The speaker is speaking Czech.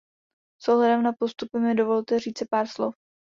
S ohledem na postupy mi dovolte říci pár slov.